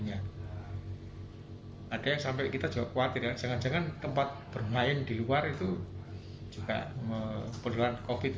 ada yang sampai kita juga khawatir jangan jangan tempat bermain di luar itu juga penularan covid sembilan belas